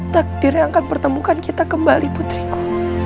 takdirnya akan pertemukan kita kembali putriku